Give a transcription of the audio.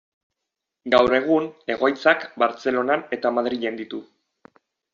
Gaur egun egoitzak Bartzelonan eta Madrilen ditu.